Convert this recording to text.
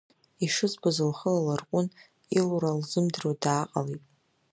Ишызбоз лхы лалырҟәын, илура лзымдыруа дааҟалеит.